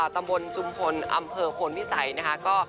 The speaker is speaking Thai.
ตำบลจุมพลอำเภอพลพิสัยนะคะ